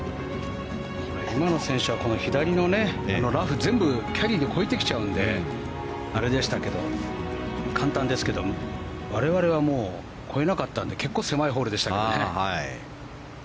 今の選手は左のラフを全部キャリーで越えてきちゃうのであれでしたけど簡単ですけど我々はもう越えなかったので結構狭いホールでしたけどね。